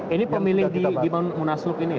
ini pemilih di munasluk ini ya